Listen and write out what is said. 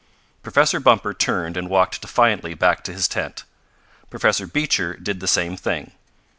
Professor Bumper turned and walked defiantly back to his tent. Professor Beecher did the same thing.